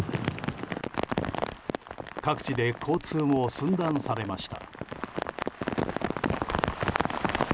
各地で交通も寸断されました。